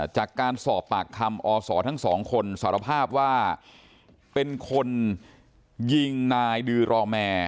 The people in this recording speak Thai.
จากการสอบปากคำอศทั้งสองคนสารภาพว่าเป็นคนยิงนายดือรอแมร์